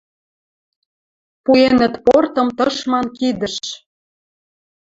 Пуэнӹт портым тышман кидӹш.